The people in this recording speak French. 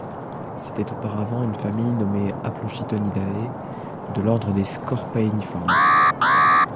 C'était auparavant une famille nommée Aplochitonidae de l'ordre des scorpaeniformes.